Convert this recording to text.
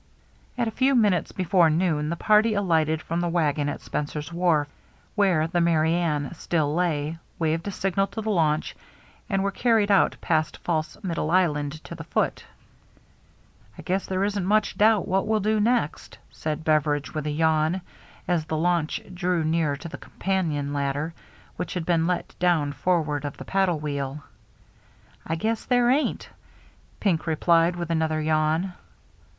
At a few minutes before noon the party alighted from the wagon at Spencer's wharf, where the Merry Anne still lay, waved a signal to the launch, and were carried out past False Middle Island to the Foote. " I guess there isn't much doubt what we'll do next," said Beveridge, with a yawn, as the launch drew near to the companion ladder, which had been let down forward of the paddle wheel. " I guess there ain't," Pink replied with another yawn.